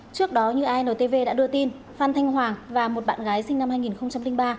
trước đó như intv đã đưa tin phan thanh hoàng và một bạn gái sinh năm hai nghìn ba